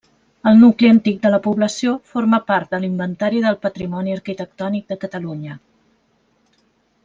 El nucli antic de la població forma part de l'Inventari del Patrimoni Arquitectònic de Catalunya.